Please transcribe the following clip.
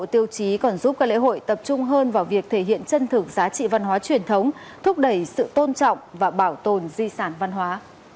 tập trung hơn vào việc thể hiện chân thực giá trị văn hóa truyền thống thúc đẩy sự tôn trọng và bảo tồn di sản văn hóa